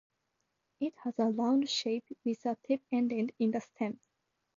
It has a round shape with a tip ending in the stem.